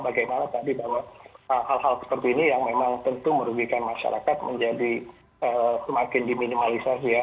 bagaimana tadi bahwa hal hal seperti ini yang memang tentu merugikan masyarakat menjadi semakin diminimalisasi ya